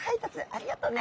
ありがとうね。